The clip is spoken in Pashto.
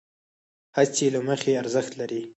هڅې له مخې ارزښت لرې،